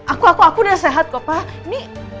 aku aku aku udah sehat kok pak